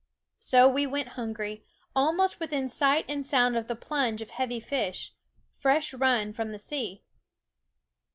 So we went hungry, almost within sight and sound of the plunge of heavy fish, fresh run from the sea.